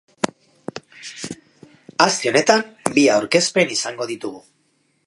Aste honetan bi aurkezpen izango ditugu.